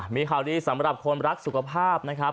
มีข่าวดีสำหรับคนรักสุขภาพนะครับ